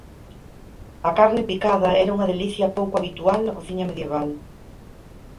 A carne picada era unha delicia pouco habitual na cociña medieval.